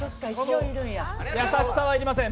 優しさは要りません。